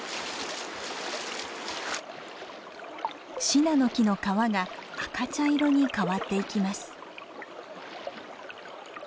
シナノキの皮が赤茶色に変わっていきます。